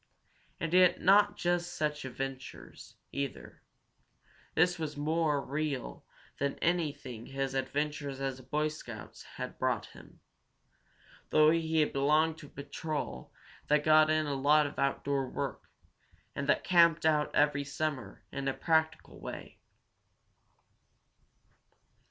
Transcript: And yet not just such adventures, either. This was more real than anything his adventures as a Boy Scout had brought him, though he belonged to a patrol that got in a lot of outdoor work, and that camped out every summer in a practical way.